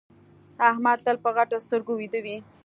احمد تل په غټو سترګو ويده وي.